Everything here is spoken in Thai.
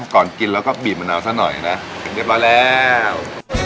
ก่อนกินแล้วก็บีบมะนาวซะหน่อยนะถึงเรียบร้อยแล้ว